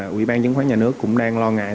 quỹ ban chứng khoán nhà nước cũng đang lo ngại